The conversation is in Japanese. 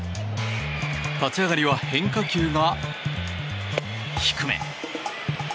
立ち上がりは変化球が低め。